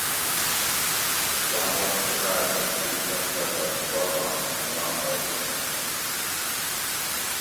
کاۤں وخت راۤکہ گل شہزادہ سواتاں حمکران آشو تہ